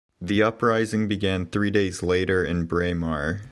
The uprising began three days later in Braemar.